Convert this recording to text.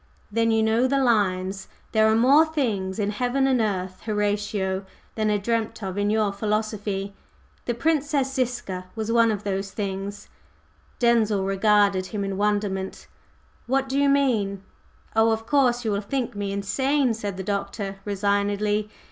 "Then you know the lines 'There are more things in heaven and earth, Horatio, Than are dreamt of in your philosophy?' The Princess Ziska was one of those 'things.'" Denzil regarded him in wonderment. "What do you mean?" "Oh, of course, you will think me insane," said the Doctor, resignedly.